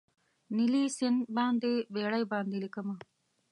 نیلي سیند باندې بیړۍ باندې لیکمه